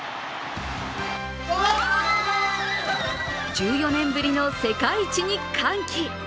１４年ぶりの世界一に歓喜。